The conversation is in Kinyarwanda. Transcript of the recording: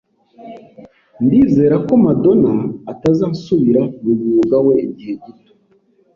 Ndizera ko Madonna atazasubira mu mwuga we igihe gito.